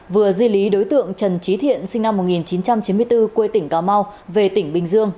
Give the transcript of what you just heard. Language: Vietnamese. vừa di lý đối tượng trần trí thiện sinh năm một nghìn chín trăm chín mươi bốn quê tỉnh cà mau về tỉnh bình dương